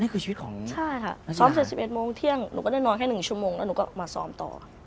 อ๋อนี่คือชีวิตของนักศึกษาใช่ค่ะซ้อม๑๑โมงเที่ยงหนูก็ได้นอนแค่๑ชั่วโมงแล้วหนูก็มาซ้อมต่อ